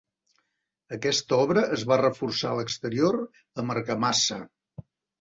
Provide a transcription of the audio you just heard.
Aquesta obra es va reforçar a l'exterior amb argamassa.